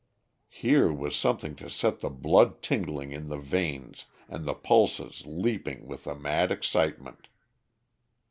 Here was something to set the blood tingling in the veins and the pulses leaping with a mad excitement.